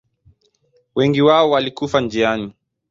Wengi wao walikufa njiani.